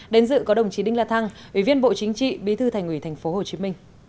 đến dự có đồng chí đinh la thăng ủy viên bộ chính trị bí thư thành ủy tp hcm